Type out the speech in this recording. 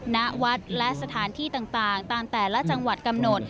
ณวัดและสถานที่ต่างตามแต่ละจังหวัดกำหนด